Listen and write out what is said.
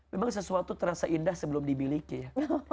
memang sesuatu terasa indah sebelum dimiliki ya